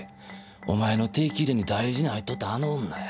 お前の定期入れに大事に入っとったあの女や。